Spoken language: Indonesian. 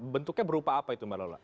bentuknya berupa apa itu mbak lola